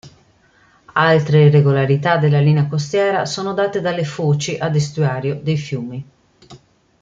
Altre irregolarità della linea costiera sono date dalle foci ad estuario dei fiumi.